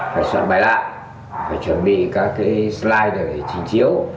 phải soạn bài lạc phải chuẩn bị các cái slide để chỉnh chiếu